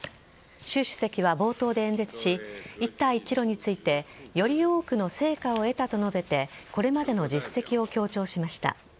習主席は冒頭で演説し一帯一路についてより多くの成果を得たと述べてこれまでの実績を強調しました。